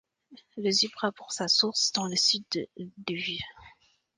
Le Zubra prend sa source dans le Sud de Lviv.